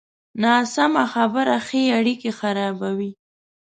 ناسمه خبره ښې اړیکې خرابوي.